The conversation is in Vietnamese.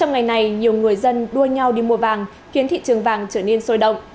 trong ngày này nhiều người dân đua nhau đi mua vàng khiến thị trường vàng trở nên sôi động